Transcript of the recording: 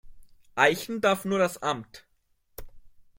Eichen darf nur das Amt.